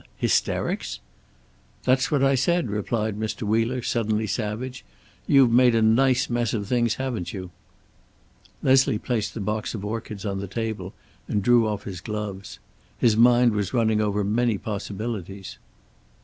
Hysterics?" "That's what I said," replied Mr. Wheeler, suddenly savage. "You've made a nice mess of things, haven't you?" Leslie placed the box of orchids on the table and drew off his gloves. His mind was running over many possibilities.